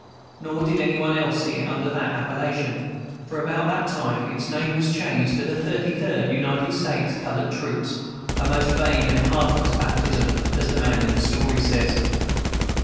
Nor did any one else see it under that appellation, for about that time its name was changed to the Thirty Third United States Colored Troops, "a most vague and heartless baptism," as the man in the story says.